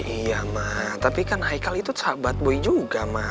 iya ma tapi kan haikel itu sahabat boy juga